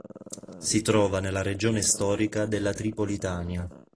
Si trova nella regione storica della Tripolitania.